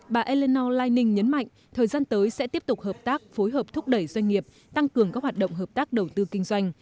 bà elinow lining nhấn mạnh thời gian tới sẽ tiếp tục hợp tác phối hợp thúc đẩy doanh nghiệp tăng cường các hoạt động hợp tác đầu tư kinh doanh